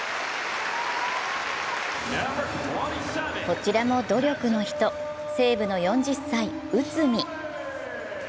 こちらも努力の人、西武の４０歳、内海。